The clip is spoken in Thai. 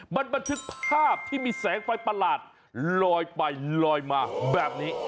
มันบันทึกภาพที่มีแสงไฟประหลาดลอยไปลอยมาแบบนี้